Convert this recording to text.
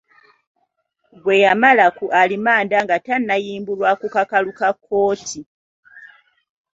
Gwe yamala ku alimanda nga tannayimbulwa ku kakalu ka kkooti?